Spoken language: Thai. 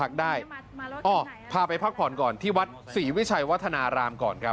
ก็พักผ่อนก่อนที่วัดสีวิชัยวัฒนารำ